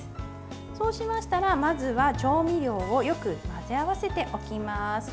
そうしましたら、まずは調味料をよく混ぜ合わせておきます。